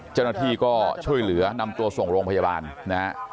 เจ้าหน้าที่ก็ช่วยเหลือนำตัวส่งโรงพยาบาลนะฮะ